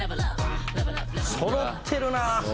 そろってるなあ！